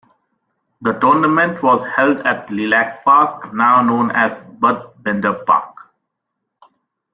The Tournament was held at Lilac Park, now known as Bud Bender Park.